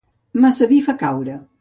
Massa vi fa caure.